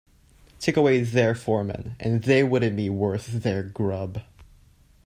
Take away their foreman and they wouldn't be worth their grub.